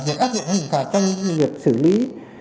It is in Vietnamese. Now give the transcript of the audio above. do nghiệp xử lý và việc áp dụng hình phạt trong do nghiệp xử lý